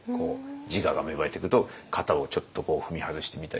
自我が芽生えてくると型をちょっとこう踏み外してみたり。